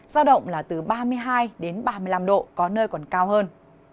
giao động là từ ba mươi hai đến ba mươi năm độ có nơi còn cao hơn